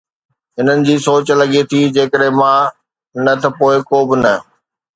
هنن جي سوچ لڳي ٿي، جيڪڏهن مان نه ته پوءِ ڪو به نه.